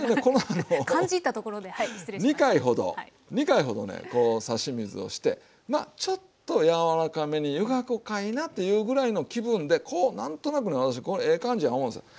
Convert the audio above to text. ２回ほどねこう差し水をしてまあちょっと柔らかめに湯がくかいなというぐらいの気分でこう何となくね私ええ感じや思うんですよ。